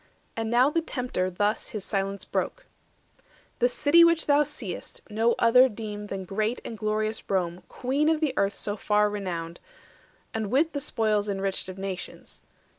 And now the Tempter thus his silence broke:— "The city which thou seest no other deem Than great and glorious Rome, Queen of the Earth So far renowned, and with the spoils enriched Of nations.